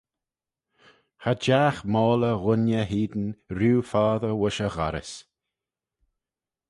Cha jagh moylley ghooinney hene rieau foddey voish e ghorrys